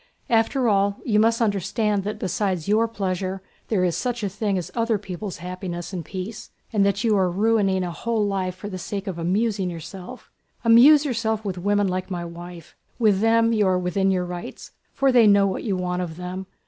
"After all, you must understand that besides your pleasure there is such a thing as other people's happiness and peace, and that you are ruining a whole life for the sake of amusing yourself! Amuse yourself with women like my wife—with them you are within your rights, for they know what you want of them.